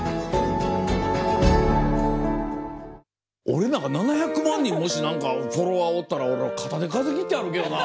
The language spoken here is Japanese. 俺なんか７００万人もし何かフォロワーおったら肩で風切って歩くけどな。